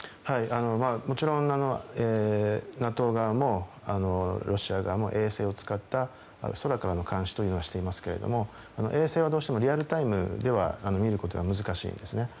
もちろん、ＮＡＴＯ側もロシア側も衛星を使った空からの監視はしていますが衛星はどうしてもリアルタイムでは見ることは難しいんですね。